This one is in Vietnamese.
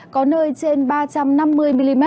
có nơi trên ba trăm năm mươi mm